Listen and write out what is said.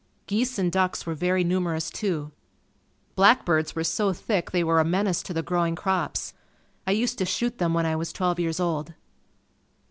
Geese and ducks were very numerous, too. Black birds were so thick they were a menace to the growing crops. I used to shoot them when I was twelve years old.